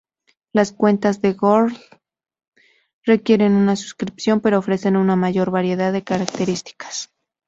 Las cuentas de Gold requieren una suscripción, pero ofrecen una mayor variedad de características.